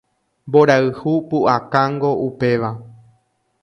Mborayhu pu'akángo upéva